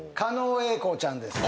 英孝ちゃんですか。